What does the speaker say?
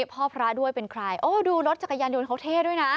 พ่อพระด้วยเป็นใครโอ้ดูรถจักรยานยนต์เขาเท่ด้วยนะ